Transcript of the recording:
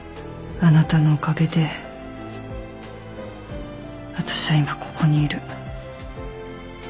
あなたのおかげで私は今ここにいる。